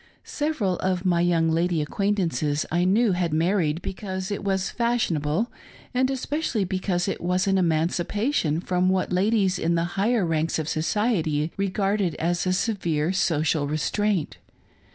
Several of my young lady acquaintances, I knew, had married because it was fashionable, and especially because it was an emancipation from what ladies in the higher ranks of society regarded as a severe social restraint.